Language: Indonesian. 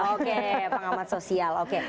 oke pengamat sosial oke